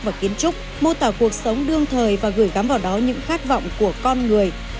và kiến trúc mô tả cuộc sống đương thời và gửi gắm vào đó những khát vọng của con người